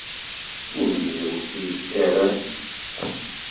Imi drus i d-yettarran.